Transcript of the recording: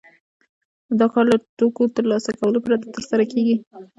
دا کار له توکو ترلاسه کولو پرته ترسره کېږي